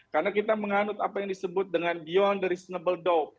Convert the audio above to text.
karena kita menganut apa yang disebut dengan beyond the reasonable doubt